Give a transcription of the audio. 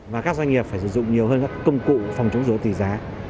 và các doanh nghiệp phải sử dụng nhiều hơn các công cụ phòng chống dố tỷ giá